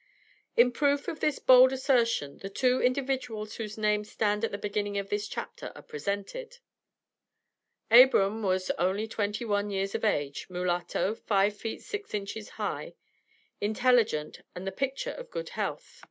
In proof of this bold assertion the two individuals whose names stand at the beginning of this chapter are presented. Abram was only twenty one years of age, mulatto, five feet six inches high, intelligent and the picture of good health.